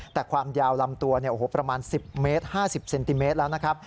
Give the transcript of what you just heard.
แต่ความยาวลำตัวประมาณ๑๐เมตร๕๐เซนติเมตรแล้วนะครับ